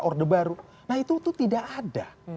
orde baru nah itu tidak ada